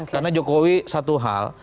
karena jokowi satu hal